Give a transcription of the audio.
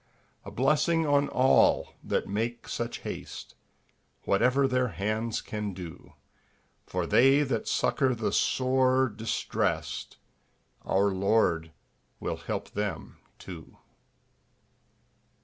A blessing on all that make such haste, Whatever their hands can do! For they that succour the sore distressed, Our Lord will help them too.